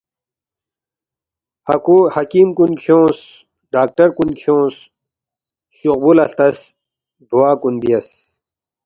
حکیم کُن کھیونگس، ڈاکٹر کُن کھیونگس، شوقبُو لہ ہلتس ، دُعا کُن بیاس